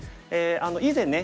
以前ね